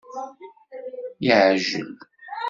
Yeɛjel.